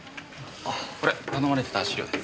これ頼まれてた資料です。